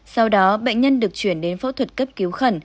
sau đó bệnh nhân được chuyển đến phẫu thuật cấp cứu khẩn